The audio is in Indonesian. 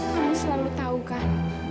kamu selalu tahu kan